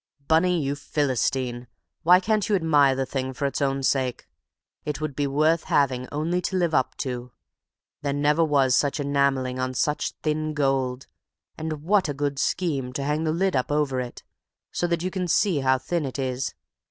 Bunny, you Philistine, why can't you admire the thing for its own sake? It would be worth having only to live up to! There never was such rich enamelling on such thin gold; and what a good scheme to hang the lid up over it, so that you can see how thin it is.